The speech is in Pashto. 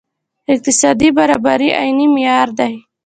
اقتصادي برابري عیني معیار دی.